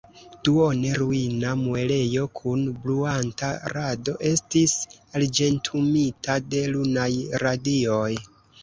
Duone ruina muelejo kun bruanta rado estis arĝentumita de lunaj radioj.